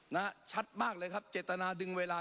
ชัดมากเลยครับเจตนาดึงเวลา